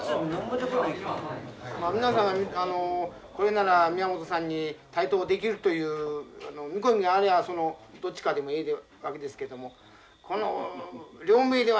まあ皆さんが「これなら宮本さんに対等できる」という見込みがありゃあそのどっちかでもええわけですけどもこの両名では問題ならんですやん。